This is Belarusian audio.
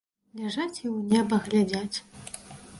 Ляжаць і ў неба глядзяць.